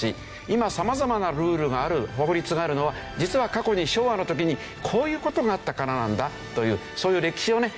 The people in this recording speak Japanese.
今様々なルールがある法律があるのは実は過去に昭和の時にこういう事があったからなんだというそういう歴史をね